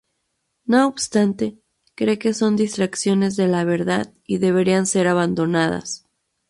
No obstante, cree que son distracciones de la verdad y deberían ser abandonadas.